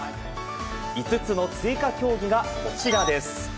５つの追加競技がこちらです。